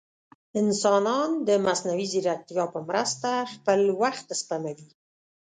انسانان د مصنوعي ځیرکتیا په مرسته خپل وخت سپموي.